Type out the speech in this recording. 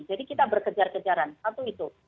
jadi kita berkejar kejaran satu itu